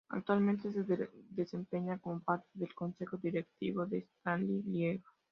Actualmente se desempeña como parte del Consejo Directivo del Standard Lieja.